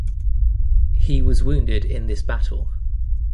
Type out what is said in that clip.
He was wounded in this battle.